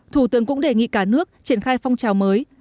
thủ tướng cũng đề nghị cả nước triển khai phong trào mới